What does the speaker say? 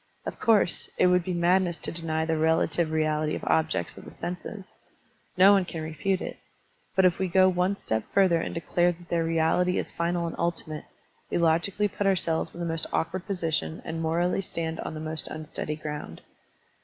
Of course, it would be madness to deny the relative reality of objects of the senses; no one can refute it. But if we go one step further and declare that their reality is final and ultimate, we logically put ourselves in the most awkward position and morally stand on the most unsleady ground.